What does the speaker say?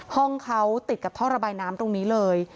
ห้องเขาติดกับท่อระบายน้ำตรงนี้เลย